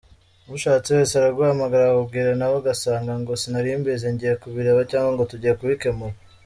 Ushatse wese araguhamagara akakubwira nawe ugasanga ngo sinarimbizi, ngiye kubireba cyangwa ngo tugiye kubikemura.